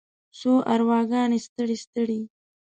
څو ارواګانې ستړې، ستړې